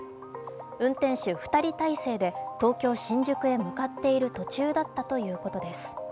運転手２人態勢で東京・新宿へ向かっている途中だったということです。